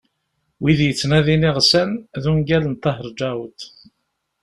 "Wid yettnadin iɣsan" d ungal n Ṭaher Ǧaɛut.